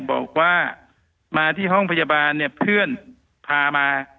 บอกว่ามาที่ห้องพยาบาลเนี่ยเพื่อนพามา